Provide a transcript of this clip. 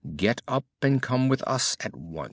Get up and come with us at once."